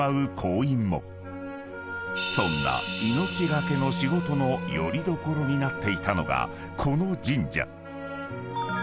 ［そんな命懸けの仕事のよりどころになっていたのがこの］